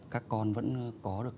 các con vẫn có được